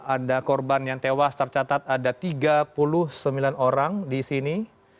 ada korban yang tewas tercatat ada tiga puluh sembilan orang di sini